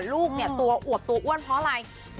ลูกเนี่ยตัวอวบตัวอ้วนเพราะอะไร